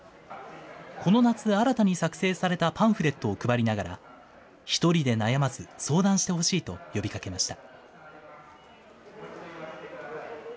この夏、新たに作成されたパンフレットを配りながら、１人で悩まず相談してほしいと呼びかけました。